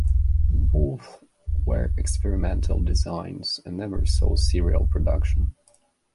Both were experimental designs and never saw serial production.